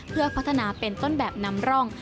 เพื่อพัฒนาเป็นต้นแบบนำร่อง